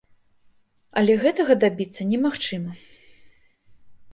Але гэтага дабіцца немагчыма.